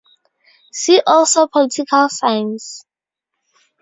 See also political science.